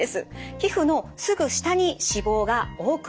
皮膚のすぐ下に脂肪が多くあります。